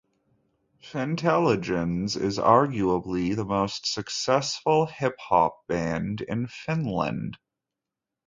Fintelligens is arguably the most successful hip hop band in Finland.